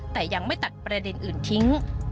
แต่ยังไม่ตัดประเด็นอื่นทิ้ง